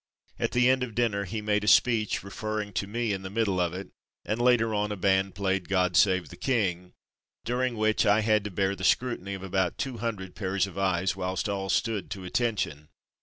At the end of dinner he made a speech, referring to me in the middle of it, and later on a band played "God save the King,'* during which I had to bear the scrutiny of about two hundred pairs of eyes, whilst all stood to attention.